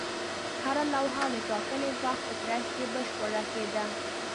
هره لوحه د ټاکلي وخت په ترڅ کې بشپړه کېده.